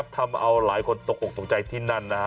ทำเอาหลายคนตกออกตกใจที่นั่นนะฮะ